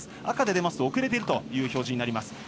赤の表示は遅れているという表示になります。